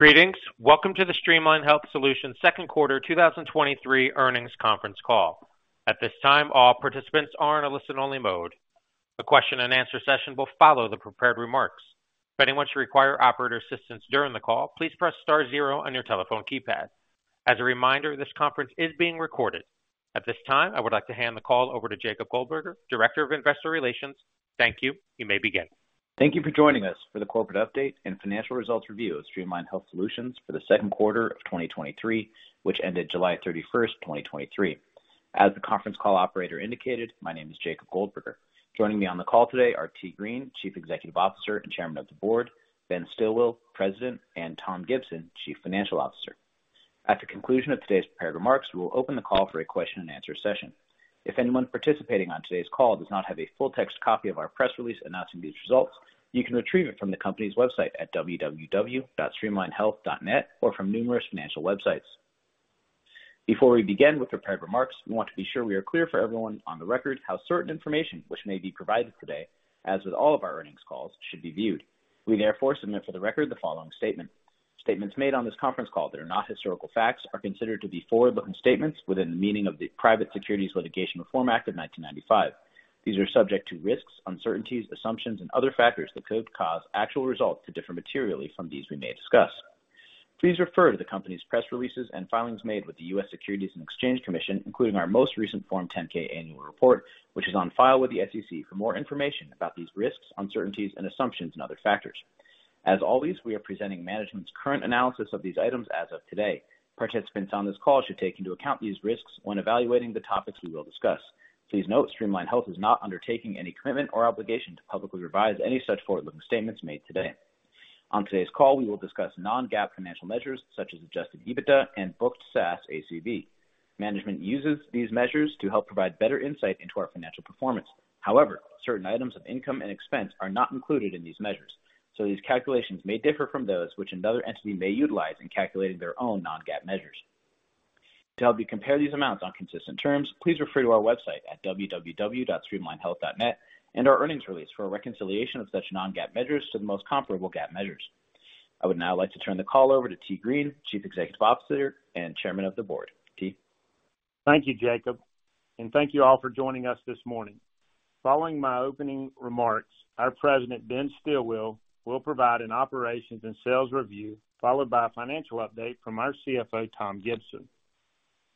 Greetings. Welcome to the Streamline Health Solutions second quarter 2023 earnings conference call. At this time, all participants are in a listen-only mode. A question and answer session will follow the prepared remarks. If anyone should require operator assistance during the call, please press star zero on your telephone keypad. As a reminder, this conference is being recorded. At this time, I would like to hand the call over to Jacob Goldberger, Director of Investor Relations. Thank you. You may begin. Thank you for joining us for the corporate update and financial results review of Streamline Health Solutions for the second quarter of 2023, which ended July 31, 2023. As the conference call operator indicated, my name is Jacob Goldberger. Joining me on the call today are T. Green, Chief Executive Officer and Chairman of the Board, Ben Stilwill, President, and Tom Gibson, Chief Financial Officer. At the conclusion of today's prepared remarks, we will open the call for a question and answer session. If anyone participating on today's call does not have a full text copy of our press release announcing these results, you can retrieve it from the company's website at www.streamlinehealth.net or from numerous financial websites. Before we begin with prepared remarks, we want to be sure we are clear for everyone on the record how certain information which may be provided today, as with all of our earnings calls, should be viewed. We therefore submit for the record the following statement: Statements made on this conference call that are not historical facts are considered to be forward-looking statements within the meaning of the Private Securities Litigation Reform Act of 1995. These are subject to risks, uncertainties, assumptions, and other factors that could cause actual results to differ materially from these we may discuss. Please refer to the company's press releases and filings made with the U.S. Securities and Exchange Commission, including our most recent Form 10-K annual report, which is on file with the SEC, for more information about these risks, uncertainties, and assumptions and other factors. As always, we are presenting management's current analysis of these items as of today. Participants on this call should take into account these risks when evaluating the topics we will discuss. Please note, Streamline Health is not undertaking any commitment or obligation to publicly revise any such forward-looking statements made today. On today's call, we will discuss non-GAAP financial measures such as Adjusted EBITDA and Booked SaaS ACV. Management uses these measures to help provide better insight into our financial performance. However, certain items of income and expense are not included in these measures, so these calculations may differ from those which another entity may utilize in calculating their own non-GAAP measures. To help you compare these amounts on consistent terms, please refer to our website at www.streamlinehealth.net and our earnings release for a reconciliation of such non-GAAP measures to the most comparable GAAP measures. I would now like to turn the call over to T. Green, Chief Executive Officer and Chairman of the Board. T? Thank you, Jacob, and thank you all for joining us this morning. Following my opening remarks, our President, Ben Stilwill, will provide an operations and sales review, followed by a financial update from our CFO, Tom Gibson.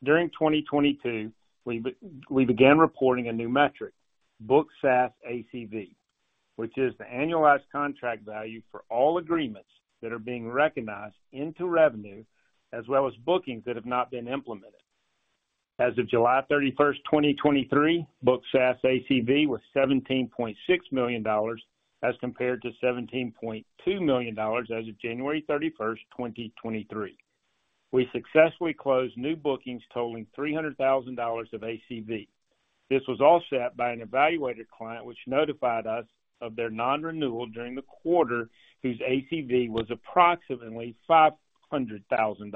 During 2022, we began reporting a new metric, booked SaaS ACV, which is the annualized contract value for all agreements that are being recognized into revenue, as well as bookings that have not been implemented. As of July 31, 2023, booked SaaS ACV was $17.6 million, as compared to $17.2 million as of January 31, 2023. We successfully closed new bookings totaling $300,000 of ACV. This was offset by an eValuator client, which notified us of their non-renewal during the quarter, whose ACV was approximately $500,000.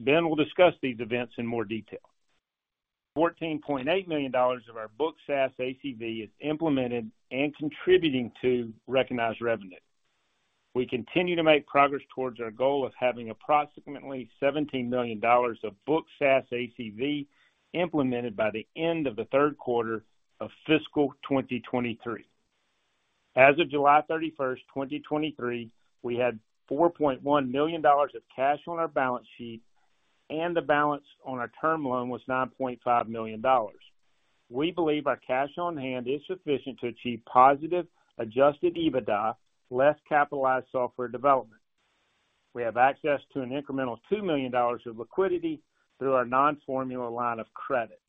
Ben will discuss these events in more detail. $14.8 million of our booked SaaS ACV is implemented and contributing to recognized revenue. We continue to make progress towards our goal of having approximately $17 million of booked SaaS ACV implemented by the end of the third quarter of fiscal 2023. As of July 31, 2023, we had $4.1 million of cash on our balance sheet, and the balance on our term loan was $9.5 million. We believe our cash on hand is sufficient to achieve positive Adjusted EBITDA, less capitalized software development. We have access to an incremental $2 million of liquidity through our non-formula line of credit.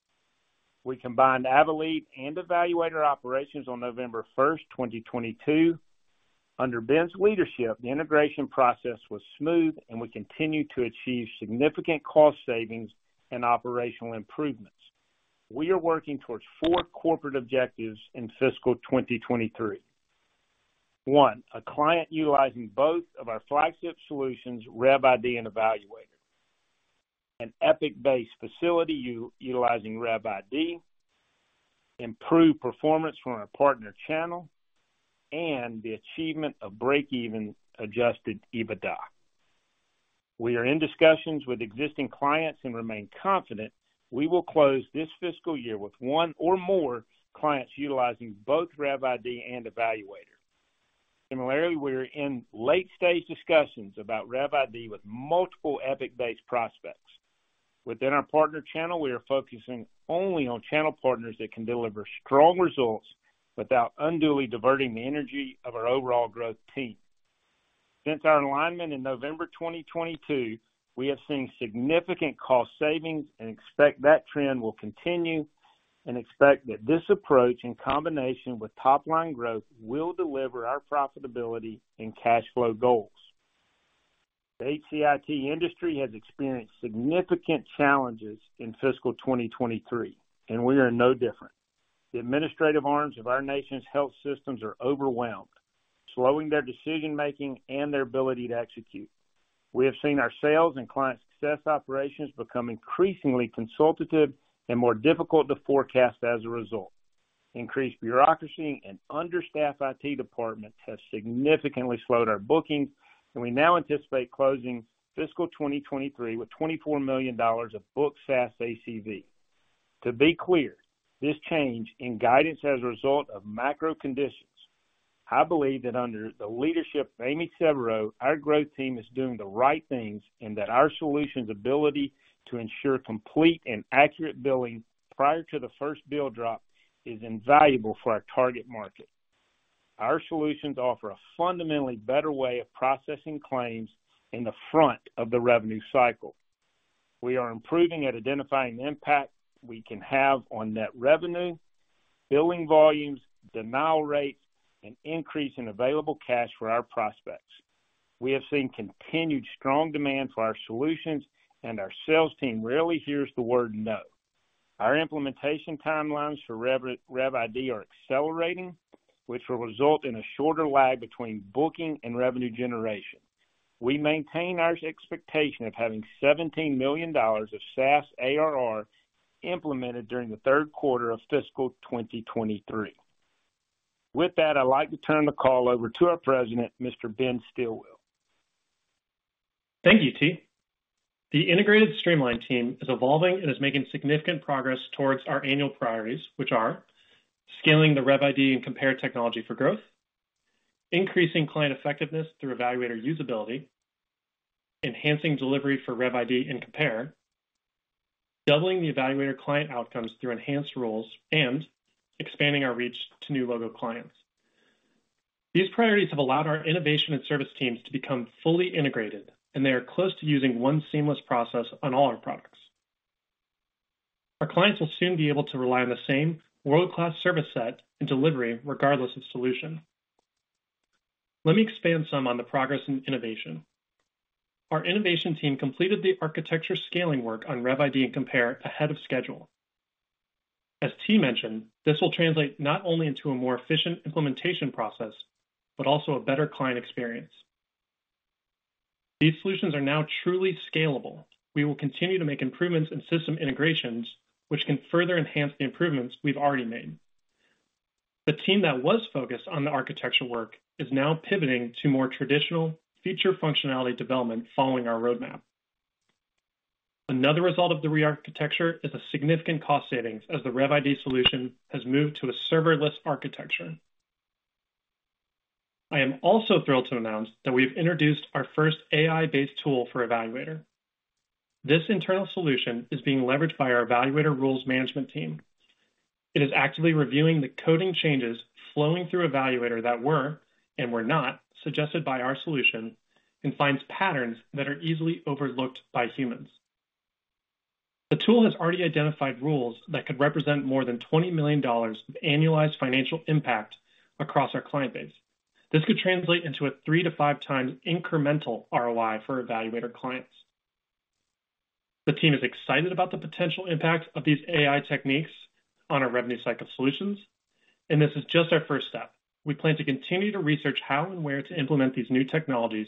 We combined Avelead and eValuator operations on November 1, 2022. Under Ben's leadership, the integration process was smooth and we continued to achieve significant cost savings and operational improvements. We are working towards four corporate objectives in fiscal 2023. One, a client utilizing both of our flagship solutions, RevID and eValuator, an Epic-based facility utilizing RevID, improved performance from our partner channel, and the achievement of break-even Adjusted EBITDA. We are in discussions with existing clients and remain confident we will close this fiscal year with one or more clients utilizing both RevID and Evaluator. Similarly, we're in late stage discussions about RevID with multiple Epic-based prospects. Within our partner channel, we are focusing only on channel partners that can deliver strong results without unduly diverting the energy of our overall growth team. Since our alignment in November 2022, we have seen significant cost savings and expect that trend will continue, and expect that this approach, in combination with top-line growth, will deliver our profitability and cash flow goals. The HCIT industry has experienced significant challenges in fiscal 2023, and we are no different. The administrative arms of our nation's health systems are overwhelmed, slowing their decision-making and their ability to execute. We have seen our sales and client success operations become increasingly consultative and more difficult to forecast as a result. Increased bureaucracy and understaffed IT department has significantly slowed our bookings, and we now anticipate closing fiscal 2023 with $24 million of booked SaaS ACV. To be clear, this change in guidance as a result of macro conditions. I believe that under the leadership of Amy Sebero, our growth team is doing the right things, and that our solutions ability to ensure complete and accurate billing prior to the first bill drop is invaluable for our target market. Our solutions offer a fundamentally better way of processing claims in the front of the revenue cycle. We are improving at identifying the impact we can have on net revenue, billing volumes, denial rates, and increase in available cash for our prospects. We have seen continued strong demand for our solutions, and our sales team rarely hears the word no. Our implementation timelines for RevID are accelerating, which will result in a shorter lag between booking and revenue generation. We maintain our expectation of having $17 million of SaaS ARR implemented during the third quarter of fiscal 2023. With that, I'd like to turn the call over to our President, Mr. Ben Stilwill. Thank you, T. The integrated Streamline team is evolving and is making significant progress towards our annual priorities, which are: scaling the RevID and Compare technology for growth, increasing client effectiveness through eValuator usability, enhancing delivery for RevID and Compare, doubling the eValuator client outcomes through enhanced roles, and expanding our reach to new logo clients. These priorities have allowed our innovation and service teams to become fully integrated, and they are close to using one seamless process on all our products. Our clients will soon be able to rely on the same world-class service set and delivery, regardless of solution. Let me expand some on the progress and innovation. Our innovation team completed the architecture scaling work on RevID and Compare ahead of schedule. As T. mentioned, this will translate not only into a more efficient implementation process, but also a better client experience. These solutions are now truly scalable. We will continue to make improvements in system integrations, which can further enhance the improvements we've already made. The team that was focused on the architectural work is now pivoting to more traditional feature functionality development following our roadmap. Another result of the rearchitecture is a significant cost savings, as the RevID solution has moved to a serverless architecture. I am also thrilled to announce that we've introduced our first AI-based tool for eValuator. This internal solution is being leveraged by our eValuator rules management team. It is actively reviewing the coding changes flowing through eValuator that were and were not suggested by our solution and finds patterns that are easily overlooked by humans. The tool has already identified rules that could represent more than $20 million of annualized financial impact across our client base. This could translate into a 3x-5x incremental ROI for eValuator clients. The team is excited about the potential impact of these AI techniques on our revenue cycle solutions, and this is just our first step. We plan to continue to research how and where to implement these new technologies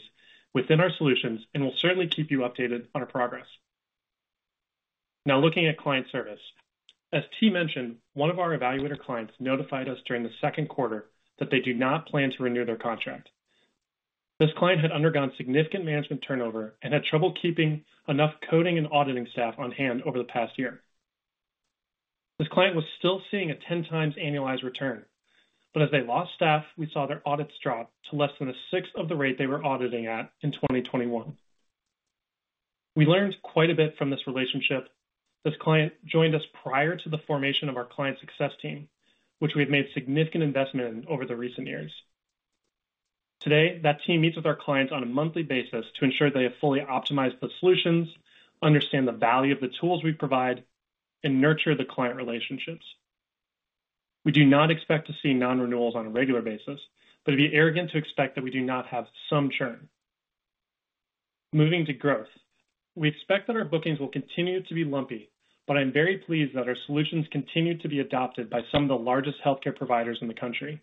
within our solutions, and we'll certainly keep you updated on our progress. Now, looking at Client Service. As T. mentioned, one of our eValuator clients notified us during the second quarter that they do not plan to renew their contract. This client had undergone significant management turnover and had trouble keeping enough coding and auditing staff on hand over the past year. This client was still seeing a 10x annualized return, but as they lost staff, we saw their audits drop to less than a sixth of the rate they were auditing at in 2021. We learned quite a bit from this relationship. This client joined us prior to the formation of our client success team, which we've made significant investment in over the recent years. Today, that team meets with our clients on a monthly basis to ensure they have fully optimized the solutions, understand the value of the tools we provide, and nurture the client relationships. We do not expect to see non-renewals on a regular basis, but it'd be arrogant to expect that we do not have some churn. Moving to growth. We expect that our bookings will continue to be lumpy, but I'm very pleased that our solutions continue to be adopted by some of the largest healthcare providers in the country.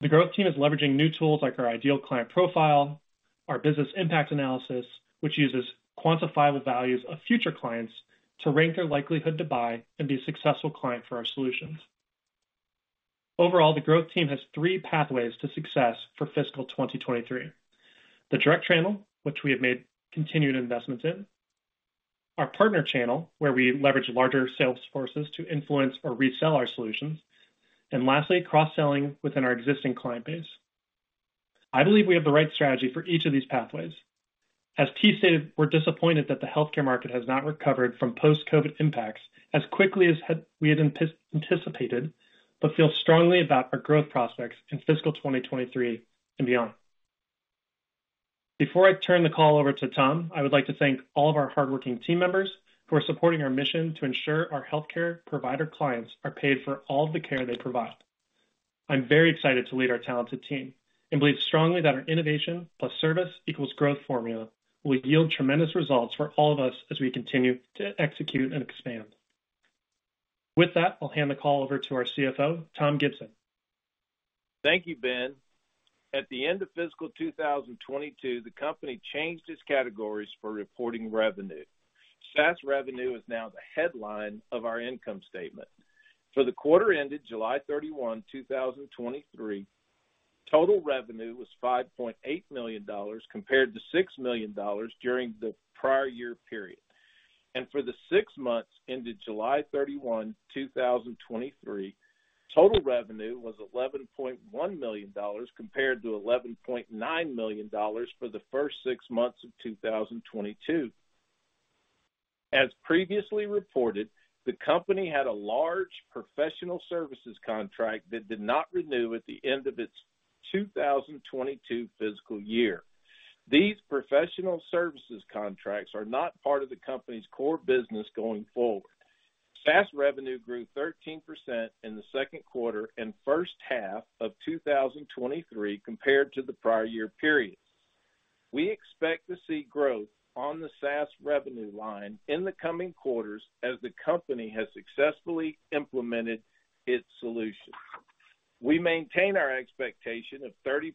The growth team is leveraging new tools like our ideal client profile, our business impact analysis, which uses quantifiable values of future clients to rank their likelihood to buy and be a successful client for our solutions. Overall, the growth team has three pathways to success for fiscal 2023. The direct channel, which we have made continued investments in, our partner channel, where we leverage larger sales forces to influence or resell our solutions, and lastly, cross-selling within our existing client base. I believe we have the right strategy for each of these pathways. As T. stated, we're disappointed that the healthcare market has not recovered from post-COVID impacts as quickly as we had anticipated, but feel strongly about our growth prospects in fiscal 2023 and beyond. Before I turn the call over to Tom, I would like to thank all of our hardworking team members who are supporting our mission to ensure our healthcare provider clients are paid for all the care they provide. I'm very excited to lead our talented team, and believe strongly that our innovation plus service equals growth formula will yield tremendous results for all of us as we continue to execute and expand. With that, I'll hand the call over to our CFO, Tom Gibson.... Thank you, Ben. At the end of fiscal 2022, the company changed its categories for reporting revenue. SaaS revenue is now the headline of our income statement. For the quarter ended July 31, 2023, total revenue was $5.8 million, compared to $6 million during the prior year period. For the six months ended July 31, 2023, total revenue was $11.1 million, compared to $11.9 million for the first six months of 2022. As previously reported, the company had a large professional services contract that did not renew at the end of its 2022 fiscal year. These professional services contracts are not part of the company's core business going forward. SaaS revenue grew 13% in the second quarter and first half of 2023 compared to the prior year periods. We expect to see growth on the SaaS revenue line in the coming quarters as the company has successfully implemented its solutions. We maintain our expectation of 30%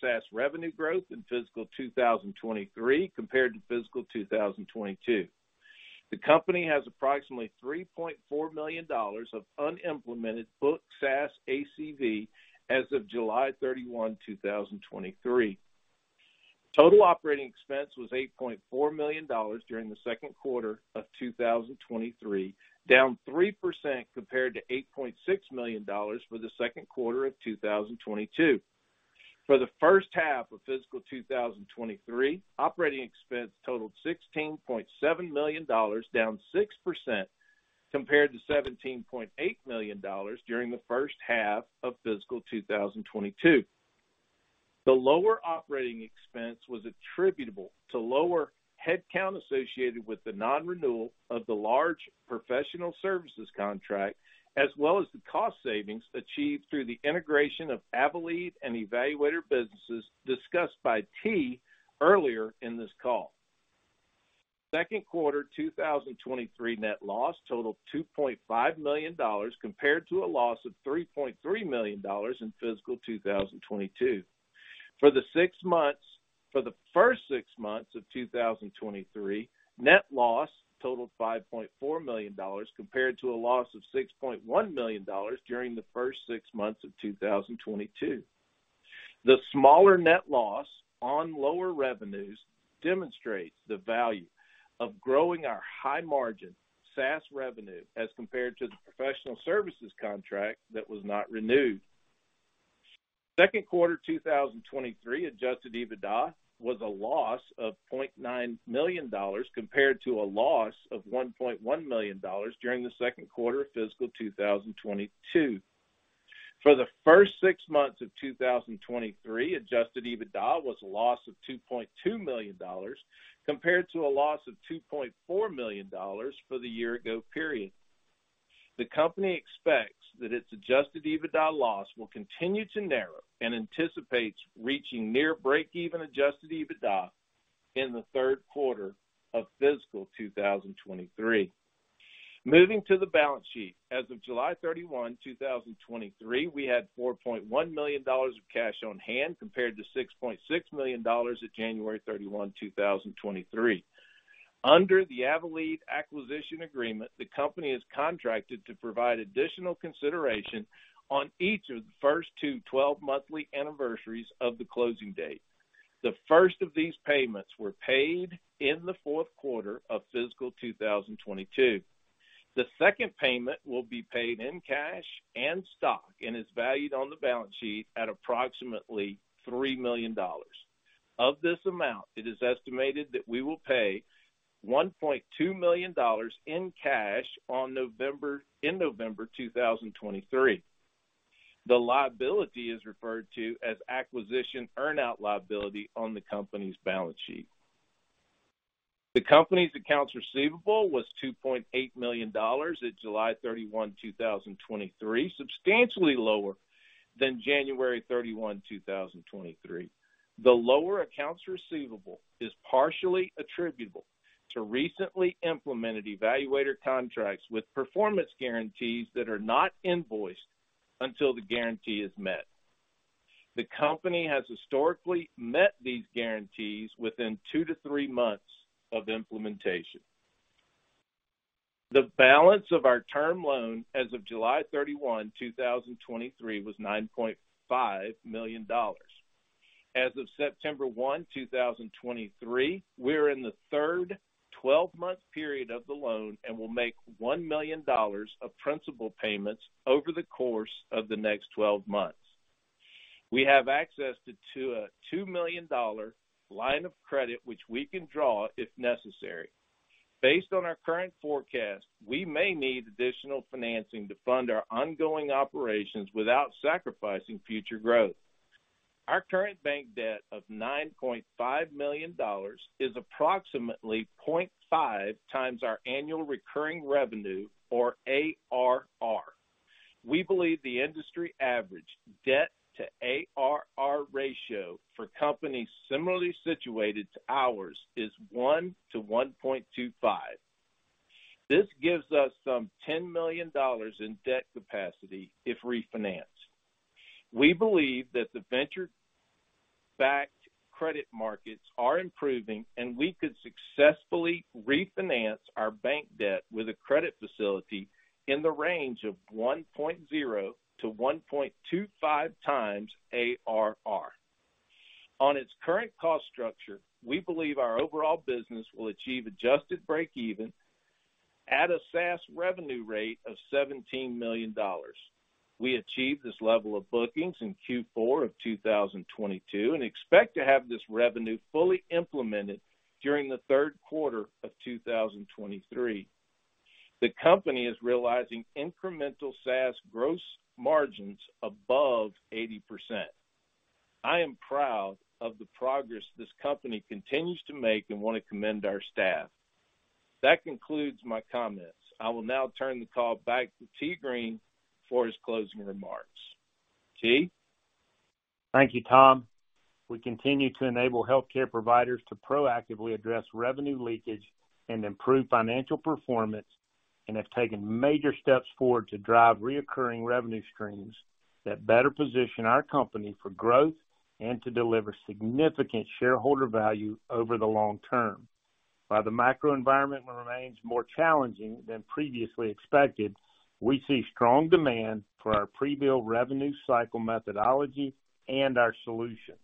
SaaS revenue growth in fiscal 2023 compared to fiscal 2022. The company has approximately $3.4 million of unimplemented booked SaaS ACV as of July 31, 2023. Total operating expense was $8.4 million during the second quarter of 2023, down 3% compared to $8.6 million for the second quarter of 2022. For the first half of fiscal 2023, operating expense totaled $16.7 million, down 6% compared to $17.8 million during the first half of fiscal 2022. The lower operating expense was attributable to lower headcount associated with the non-renewal of the large professional services contract, as well as the cost savings achieved through the integration of Avelead and eValuator businesses discussed by T. earlier in this call. Second quarter 2023 net loss totaled $2.5 million, compared to a loss of $3.3 million in fiscal 2022. For the first six months of 2023, net loss totaled $5.4 million, compared to a loss of $6.1 million during the first six months of 2022. The smaller net loss on lower revenues demonstrates the value of growing our high-margin SaaS revenue as compared to the professional services contract that was not renewed. Second quarter 2023 Adjusted EBITDA was a loss of $0.9 million, compared to a loss of $1.1 million during the second quarter of fiscal 2022. For the first six months of 2023, Adjusted EBITDA was a loss of $2.2 million, compared to a loss of $2.4 million for the year-ago period. The company expects that its Adjusted EBITDA loss will continue to narrow and anticipates reaching near breakeven Adjusted EBITDA in the third quarter of fiscal 2023. Moving to the balance sheet. As of July 31, 2023, we had $4.1 million of cash on hand, compared to $6.6 million at January 31, 2023. Under the Avelead acquisition agreement, the company is contracted to provide additional consideration on each of the first 2 12-monthly anniversaries of the closing date. The first of these payments were paid in the fourth quarter of fiscal 2022. The second payment will be paid in cash and stock and is valued on the balance sheet at approximately $3 million. Of this amount, it is estimated that we will pay $1.2 million in cash in November 2023. The liability is referred to as acquisition earn-out liability on the company's balance sheet. The company's accounts receivable was $2.8 million at July 31, 2023, substantially lower than January 31, 2023. The lower accounts receivable is partially attributable to recently implemented eValuator contracts with performance guarantees that are not invoiced until the guarantee is met. The company has historically met these guarantees within two to three months of implementation. The balance of our term loan as of July 31, 2023, was $9.5 million. As of September 1, 2023, we're in the third 12-month period of the loan and will make $1 million of principal payments over the course of the next 12 months. We have access to a $2 million line of credit, which we can draw if necessary. Based on our current forecast, we may need additional financing to fund our ongoing operations without sacrificing future growth. Our current bank debt of $9.5 million is approximately 0.5x our annual recurring revenue, or ARR. We believe the industry average debt-to-ARR ratio for companies similarly situated to ours is 1x-1.25x. This gives us some $10 million in debt capacity if refinanced. We believe that the venture-backed credit markets are improving, and we could successfully refinance our bank debt with a credit facility in the range of 1.0x-1.25x ARR. On its current cost structure, we believe our overall business will achieve adjusted breakeven at a SaaS revenue rate of $17 million. We achieved this level of bookings in Q4 of 2022, and expect to have this revenue fully implemented during the third quarter of 2023. The company is realizing incremental SaaS gross margins above 80%. I am proud of the progress this company continues to make and want to commend our staff. That concludes my comments. I will now turn the call back to T. Green for his closing remarks. T.? Thank you, Tom. We continue to enable healthcare providers to proactively address revenue leakage and improve financial performance, and have taken major steps forward to drive recurring revenue streams that better position our company for growth and to deliver significant shareholder value over the long term. While the macro environment remains more challenging than previously expected, we see strong demand for our pre-bill revenue cycle methodology and our solutions.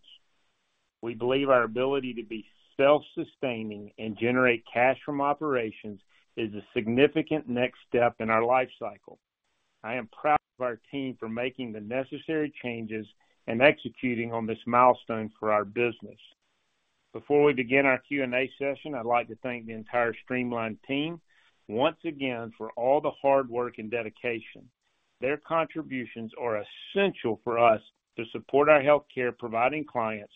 We believe our ability to be self-sustaining and generate cash from operations is a significant next step in our life cycle. I am proud of our team for making the necessary changes and executing on this milestone for our business. Before we begin our Q&A session, I'd like to thank the entire Streamline team once again for all the hard work and dedication. Their contributions are essential for us to support our healthcare-providing clients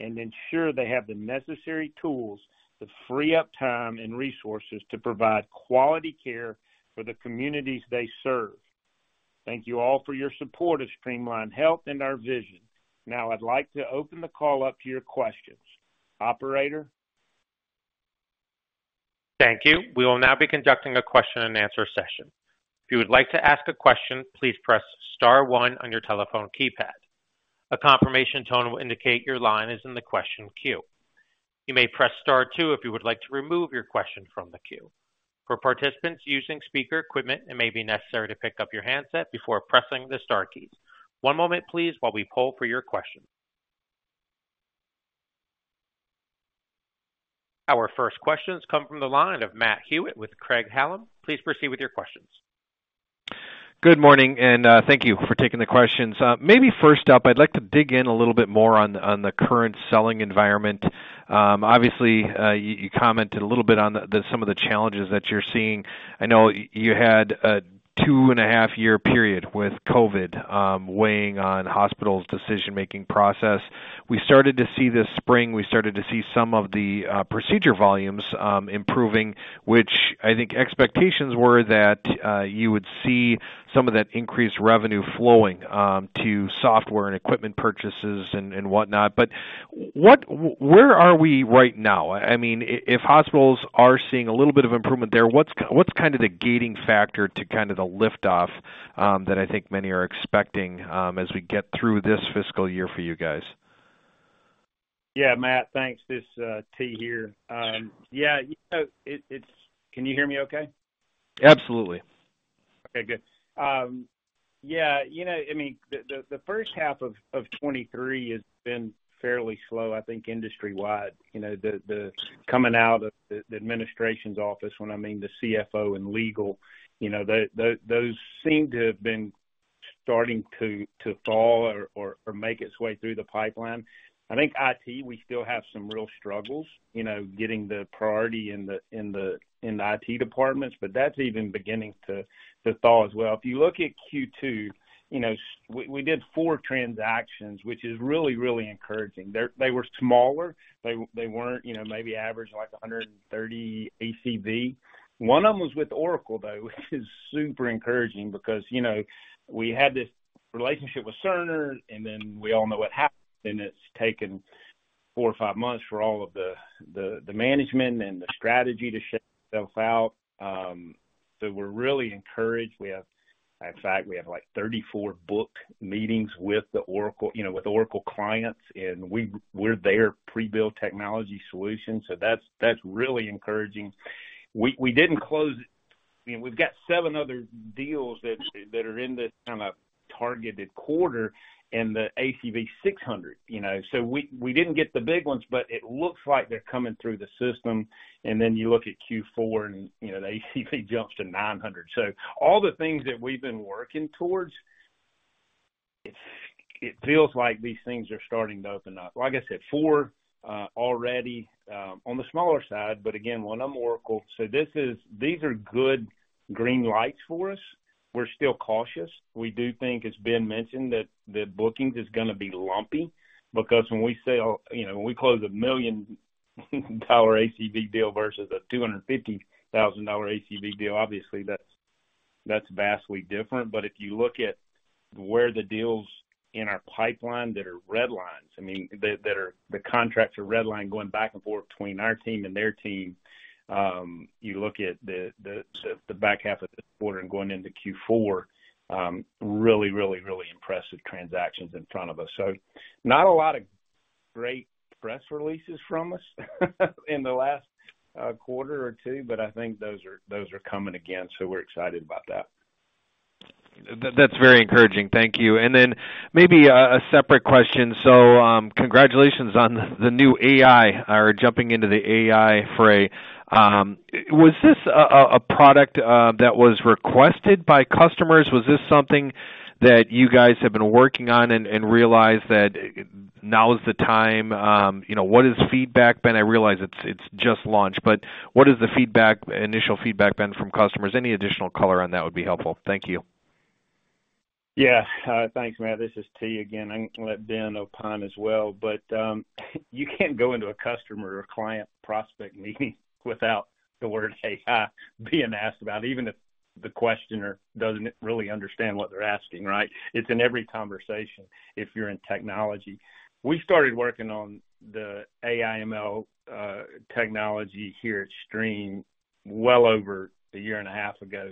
and ensure they have the necessary tools to free up time and resources to provide quality care for the communities they serve. Thank you all for your support of Streamline Health and our vision. Now I'd like to open the call up to your questions. Operator? Thank you. We will now be conducting a question-and-answer session. If you would like to ask a question, please press star one on your telephone keypad. A confirmation tone will indicate your line is in the question queue. You may press Star two if you would like to remove your question from the queue. For participants using speaker equipment, it may be necessary to pick up your handset before pressing the star keys. One moment, please, while we poll for your question. Our first questions come from the line of Matt Hewitt with Craig-Hallum. Please proceed with your questions. Good morning, and thank you for taking the questions. Maybe first up, I'd like to dig in a little bit more on the current selling environment. Obviously, you commented a little bit on some of the challenges that you're seeing. I know you had a 2.5-year period with COVID weighing on hospitals' decision-making process. We started to see this spring some of the procedure volumes improving, which I think expectations were that you would see some of that increased revenue flowing to software and equipment purchases and whatnot. But where are we right now? I mean, if hospitals are seeing a little bit of improvement there, what's kind of the gating factor to kind of the liftoff that I think many are expecting, as we get through this fiscal year for you guys? Yeah, Matt, thanks. This is T. here. Yeah, you know, can you hear me okay? Absolutely. Okay, good. Yeah, you know, I mean, the first half of 2023 has been fairly slow, I think, industry-wide. You know, the coming out of the administration's office, when I mean the CFO and legal, you know, those seem to have been starting to fall or make its way through the pipeline. I think IT, we still have some real struggles, you know, getting the priority in the IT departments, but that's even beginning to thaw as well. If you look at Q2, you know, we did four transactions, which is really encouraging. They were smaller. They weren't, you know, maybe average, like 130 ACV. One of them was with Oracle, though, which is super encouraging because, you know, we had this relationship with Cerner, and then we all know what happened, and it's taken four or five months for all of the the management and the strategy to shake itself out. So we're really encouraged. We have... In fact, we have, like, 34 booked meetings with the Oracle, you know, with Oracle clients, and we're their pre-built technology solution, so that's really encouraging. We didn't close it. I mean, we've got seven other deals that are in this kind of targeted quarter in the ACV $600, you know? So we didn't get the big ones, but it looks like they're coming through the system. And then you look at Q4 and, you know, the ACV jumps to $900. So all the things that we've been working towards, it feels like these things are starting to open up. Like I said, four already, on the smaller side, but again, one of them, Oracle. So this is these are good green lights for us. We're still cautious. We do think it's been mentioned that the bookings is gonna be lumpy because when we sell, you know, when we close a $1 million ACV deal versus a $250,000 ACV deal, obviously that's vastly different. But if you look at where the deals in our pipeline that are red lines, I mean, that are the contracts are red line, going back and forth between our team and their team, you look at the back half of the quarter and going into Q4, really, really, really impressive transactions in front of us. So not a lot of great press releases from us in the last quarter or two, but I think those are coming again, so we're excited about that. That's very encouraging. Thank you. And then maybe a separate question. So, congratulations on the new AI, or jumping into the AI fray. Was this a product that was requested by customers? Was this something that you guys have been working on and realized that now is the time? You know, what has the feedback been? I realize it's just launched, but what has the feedback, initial feedback been from customers? Any additional color on that would be helpful. Thank you. Yeah, thanks, Matt. This is T. again, and I'm going to let Ben opine as well. But, you can't go into a customer or client prospect meeting without the word AI being asked about, even if the questioner doesn't really understand what they're asking, right? It's in every conversation if you're in technology. We started working on the AI/ML technology here at Streamline well over a year and a half ago,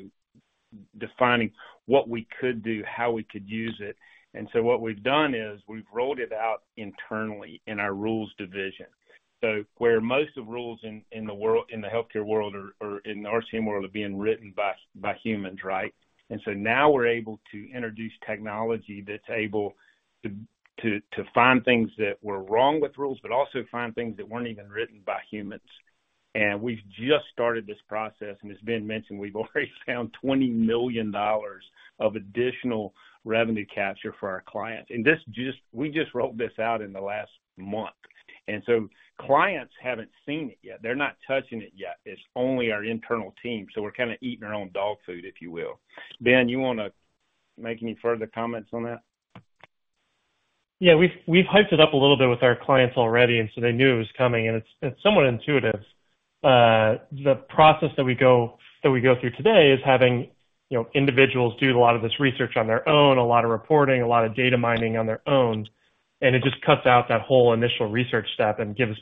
defining what we could do, how we could use it. And so what we've done is we've rolled it out internally in our rules division. So where most of the rules in the world, in the healthcare world or in our team world, are being written by humans, right? And so now we're able to introduce technology that's able to to find things that were wrong with rules, but also find things that weren't even written by humans. And we've just started this process, and as Ben mentioned, we've already found $20 million of additional revenue capture for our clients. And we just rolled this out in the last month, and so clients haven't seen it yet. They're not touching it yet. It's only our internal team, so we're kinda eating our own dog food, if you will. Ben, you want to make any further comments on that? Yeah, we've hyped it up a little bit with our clients already, and so they knew it was coming, and it's somewhat intuitive. The process that we go through today is having, you know, individuals do a lot of this research on their own, a lot of reporting, a lot of data mining on their own, and it just cuts out that whole initial research step and gives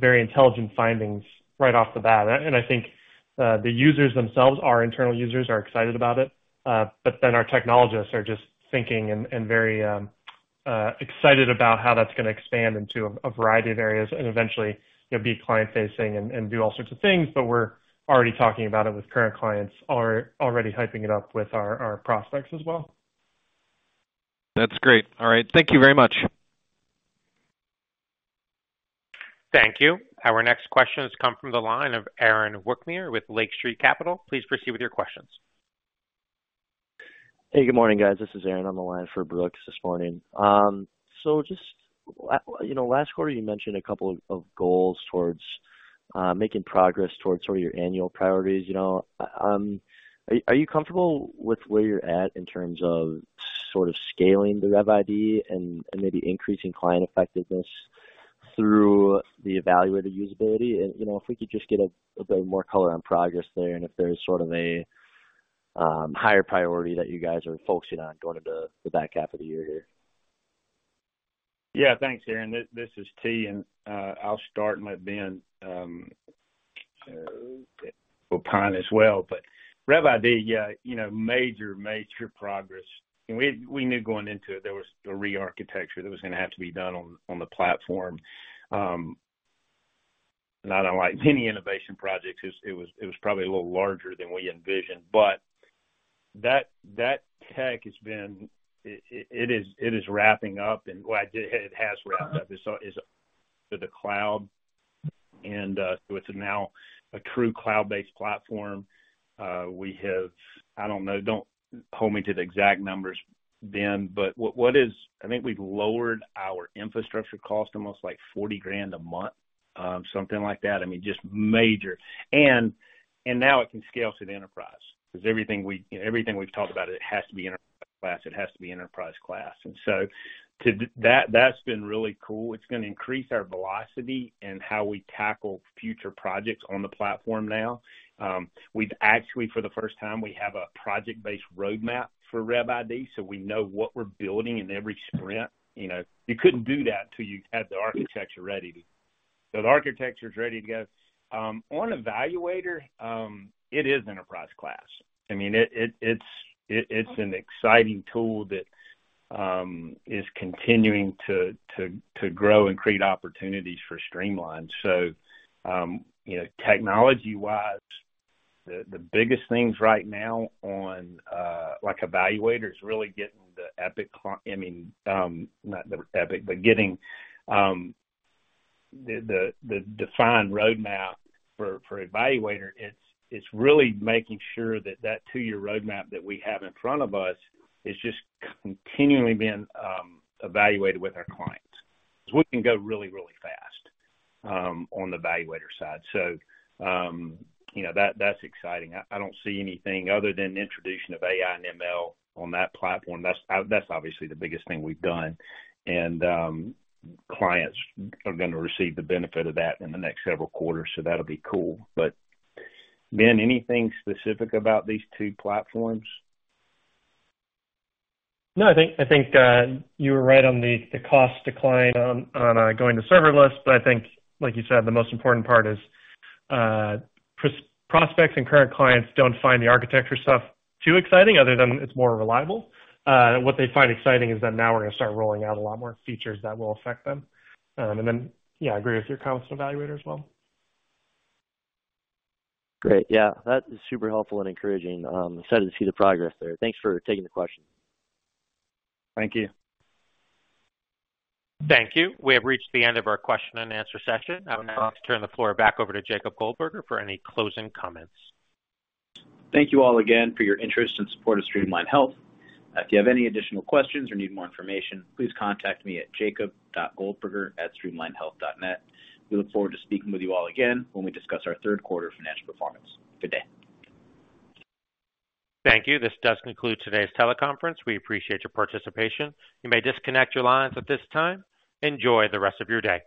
very intelligent findings right off the bat. And I think the users themselves, our internal users, are excited about it. But then our technologists are just thinking and very excited about how that's going to expand into a variety of areas and eventually, you know, be client-facing and do all sorts of things. But we're already talking about it with current clients and are already hyping it up with our prospects as well. That's great. All right. Thank you very much. Thank you. Our next question has come from the line of Aaron Wukmir with Lake Street Capital. Please proceed with your questions. Hey, good morning, guys. This is Aaron. On the line for Brooks this morning. So just, you know, last quarter, you mentioned a couple of goals towards making progress towards sort of your annual priorities, you know. Are you comfortable with where you're at in terms of sort of scaling the RevID and maybe increasing client effectiveness through the eValuator usability? And, you know, if we could just get a bit more color on progress there, and if there's sort of a higher priority that you guys are focusing on going into the back half of the year here. Yeah. Thanks, Aaron. This, this is T., and, I'll start and let Ben opine as well, but RevID, you know, major, major progress. And we knew going into it, there was a rearchitecture that was going to have to be done on the platform. Not unlike many innovation projects, it was probably a little larger than we envisioned, but that tech has been... It is wrapping up, and, well, it has wrapped up. Uh-huh. It's so it's for the cloud, and so it's now a true cloud-based platform. We have—I don't know, don't hold me to the exact numbers, Ben, but what, what is... I think we've lowered our infrastructure cost almost like $40,000 a month, something like that. I mean, just major. And now it can scale to the enterprise, because everything we, you know, everything we've talked about, it has to be enterprise class, it has to be enterprise class. And so too—that's been really cool. It's going to increase our velocity in how we tackle future projects on the platform now. We've actually, for the first time, we have a project-based roadmap for RevID, so we know what we're building in every sprint. You know, you couldn't do that till you had the architecture ready. So the architecture is ready to go. On eValuator, it is enterprise class. I mean, it's an exciting tool that is continuing to grow and create opportunities for Streamline. So, you know, technology-wise, the biggest things right now on, like eValuator is really getting the Epic -- I mean, not the Epic, but getting the defined roadmap for eValuator. It's really making sure that that two-year roadmap that we have in front of us is just continually being evaluated with our clients. So we can go really, really fast on the eValuator side. So, you know, that's exciting. I don't see anything other than the introduction of AI and ML on that platform. That's, that's obviously the biggest thing we've done, and, clients are going to receive the benefit of that in the next several quarters, so that'll be cool. But, Ben, anything specific about these two platforms? No, I think you were right on the cost decline on going to serverless. But I think, like you said, the most important part is prospects and current clients don't find the architecture stuff too exciting, other than it's more reliable. What they find exciting is that now we're going to start rolling out a lot more features that will affect them. And then, yeah, I agree with your comments on eValuator as well. Great. Yeah, that is super helpful and encouraging. Excited to see the progress there. Thanks for taking the question. Thank you. Thank you. We have reached the end of our question and answer session. I would now like to turn the floor back over to Jacob Goldberger for any closing comments. Thank you all again for your interest and support of Streamline Health. If you have any additional questions or need more information, please contact me at jacob.goldberger@streamlinehealth.net. We look forward to speaking with you all again when we discuss our third quarter financial performance. Good day. Thank you. This does conclude today's teleconference. We appreciate your participation. You may disconnect your lines at this time. Enjoy the rest of your day.